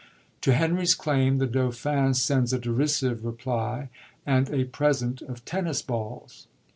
To Henry's claim the Dauphin sends a derisive reply, and a present of tennis balls.